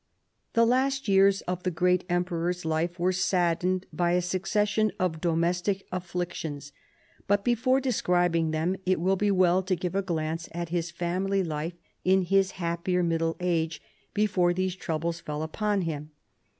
The last years of the great emperor's life were saddened by a succession of domestic afflictions: but before describing them it will be well to give a glance at his family life in his happier middle age before these troubles fell upon him.